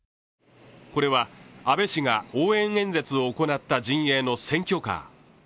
これは安倍氏が応援演説を行った陣営の選挙カー。